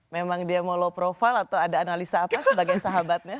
memang dia mau low profile atau ada analisa apa sebagai sahabatnya